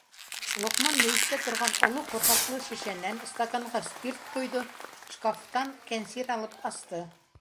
- Лоҡман мөйөштә торған оло ҡорһаҡлы шешәнән стаканға спирт ҡойҙо, шкафтан кәнсир алып асты.